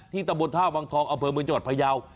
ที่ตำบลท่าวังทองเอาเพิ่มเมืองจังหวัดพยาว